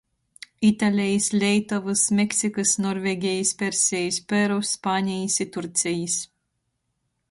Italejis, Leitovys, Meksikys, Norvegejis, Persejis, Peru, Spanejis i Turcejis.